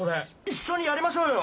一緒にやりましょうよ。